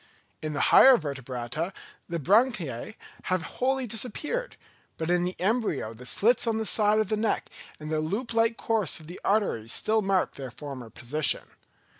In the higher Vertebrata the branchiæ have wholly disappeared—but in the embryo the slits on the sides of the neck and the loop like course of the arteries still mark their former position.